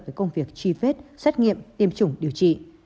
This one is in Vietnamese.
với công việc truy vết xét nghiệm tiêm chủng điều trị